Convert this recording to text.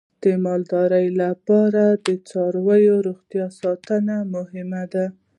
د مالدارۍ لپاره د څارویو روغتیا ساتنه مهمه ده.